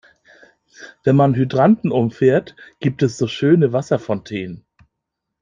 Wenn man Hydranten umfährt, gibt es so schöne Wasserfontänen.